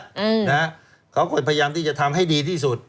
เขาก็เป็นพยายามที่จะทำให้ดีที่สุด